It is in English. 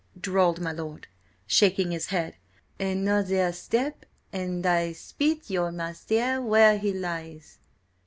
drawled my lord, shaking his head. "Another step and I spit your master where he lies."